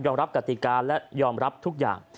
รับกติกาและยอมรับทุกอย่าง